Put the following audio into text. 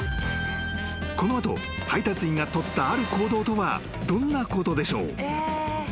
［この後配達員が取ったある行動とはどんなことでしょう？］